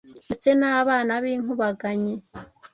ndetse n’Abana b’inkubaganyi.